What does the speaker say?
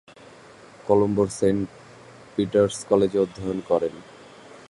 কলম্বোর Saint Peter's কলেজে অধ্যয়ন করেন।